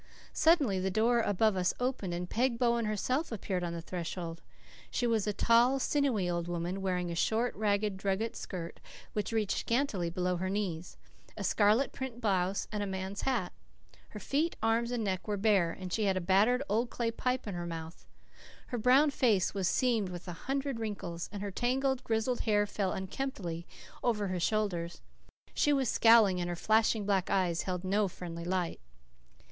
Suddenly the door above us opened, and Peg Bowen herself appeared on the threshold. She was a tall, sinewy old woman, wearing a short, ragged, drugget skirt which reached scantly below her knees, a scarlet print blouse, and a man's hat. Her feet, arms, and neck were bare, and she had a battered old clay pipe in her mouth. Her brown face was seamed with a hundred wrinkles, and her tangled, grizzled hair fell unkemptly over her shoulders. She was scowling, and her flashing black eyes held no friendly light.